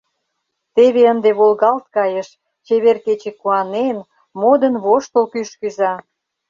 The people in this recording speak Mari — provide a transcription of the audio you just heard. теве ынде волгалт кайыш, — чевер кече куанен, модын-воштыл кӱш кӱза.